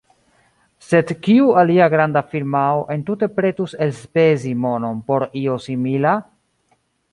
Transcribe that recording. Sed kiu alia granda firmao entute pretus elspezi monon por io simila?